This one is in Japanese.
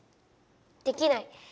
できない。